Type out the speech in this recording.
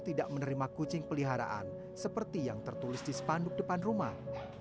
tidak menerima kucing peliharaan seperti yang tertulis di spanduk depan rumah